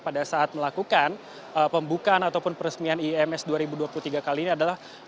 pada saat melakukan pembukaan ataupun peresmian ims dua ribu dua puluh tiga kali ini adalah